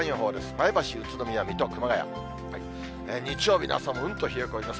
前橋、宇都宮、水戸、熊谷、日曜日の朝もうんと冷え込みます。